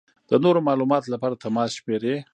د نورو معلومات لپاره د تماس شمېرې: